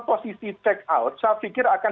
posisi take out saya pikir akan